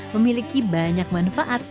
memiliki banyak manfaat